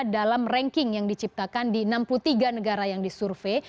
dalam ranking yang diciptakan di enam puluh tiga negara yang disurvey